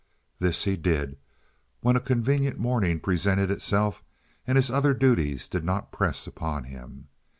This he did when a convenient morning presented itself and his other duties did not press upon him.